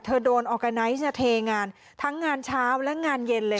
โดนออร์แกไนท์เทงานทั้งงานเช้าและงานเย็นเลย